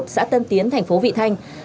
xã tân tiến thành phố vị thanh